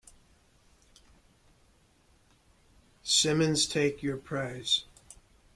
Simmons, take your prize.